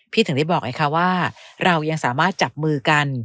ถึงได้บอกไงคะว่าเรายังสามารถจับมือกัน